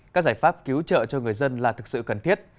các giải pháp cứu trợ cho người dân là thực sự cần thiết